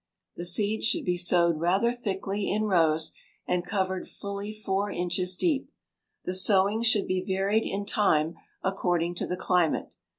The seeds should be sowed rather thickly in rows and covered fully four inches deep. The sowing should be varied in time according to the climate.